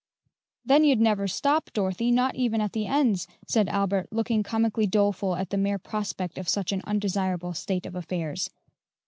"Then you'd never stop, Dorothy, not even at the ends," said Albert, looking comically doleful at the mere prospect of such an undesirable state of affairs.